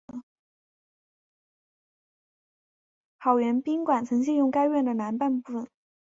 好园宾馆曾借用该院的南半部分。